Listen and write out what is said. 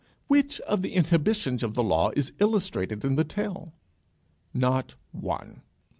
Which of the inhibitions of the law is illustrated in the tale? Not one.